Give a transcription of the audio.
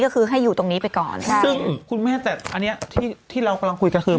ก็คือให้อยู่ตรงนี้ไปก่อนใช่ซึ่งคุณแม่แต่อันเนี้ยที่ที่เรากำลังคุยกันคือ